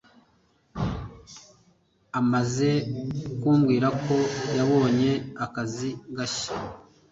amaze kumbwira ko yabonye akazi gashya.